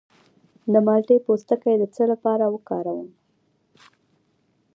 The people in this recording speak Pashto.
د مالټې پوستکی د څه لپاره وکاروم؟